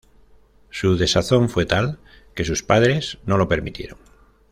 Su desazón fue tal que sus padres no lo permitieron.